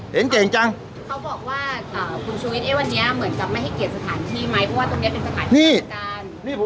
เห็นเก่งจังเขาบอกว่าอ่าคุณชุวิตไอ้วันนี้เหมือนกับไม่ให้เกียรติสถานที่ไหม